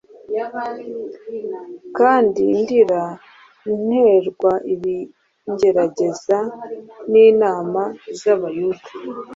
kandi ndira, nterwa ibingerageza n’inama z’Abayuda.